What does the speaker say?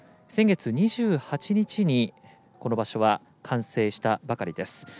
先月２８日にこの場所は完成したばかりです。